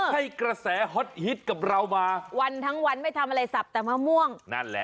ให้กระแสฮอตฮิตกับเรามาวันทั้งวันไม่ทำอะไรสับแต่มะม่วงนั่นแหละ